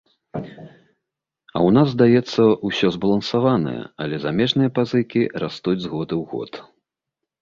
А ў нас, здаецца, усё збалансаванае, але замежныя пазыкі растуць з года ў год.